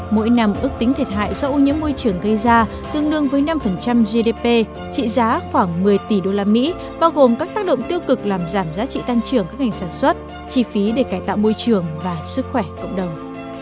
mỗi năm ước tính thiệt hại do ô nhiễm môi trường gây ra tương đương với năm gdp trị giá khoảng một mươi tỷ usd bao gồm các tác động tiêu cực làm giảm giá trị tăng trưởng các ngành sản xuất chi phí để cải tạo môi trường và sức khỏe cộng đồng